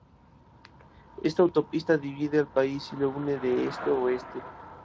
Esta autopista divide al país y lo une de este a oeste.